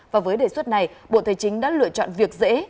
và với đề xuất này bộ tài chính đã lựa chọn việc dễ